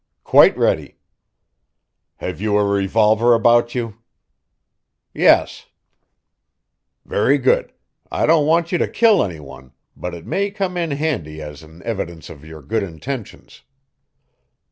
"Quite ready." "Have you a revolver about you?" "Yes." "Very good. I don't want you to kill any one, but it may come in handy as an evidence of your good intentions."